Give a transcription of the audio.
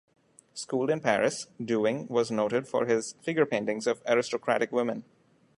Schooled in Paris, Dewing was noted for his figure paintings of aristocratic women.